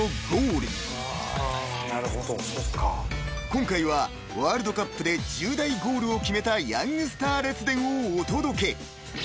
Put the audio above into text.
［今回はワールドカップで１０代ゴールを決めたヤングスター列伝をお届け］